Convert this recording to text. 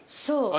そう。